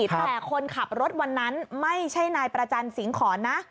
แต่คนขับรถวันนั้นไม่ใช่นายประจันสิงหอนนะ